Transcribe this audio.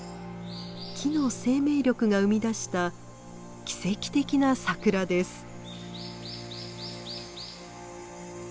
木の生命力が生み出した奇跡的なサクラです。